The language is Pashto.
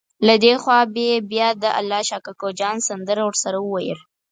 له دې خوا به یې بیا د الله شا کوکو جان سندره ورسره وویله.